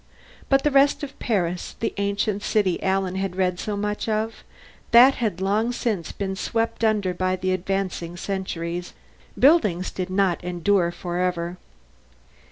But the rest of Paris, the ancient city Alan had read so much of that had long since been swept under by the advancing centuries. Buildings did not endure forever.